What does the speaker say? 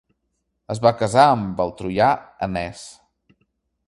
Es va casar amb el troià Enees.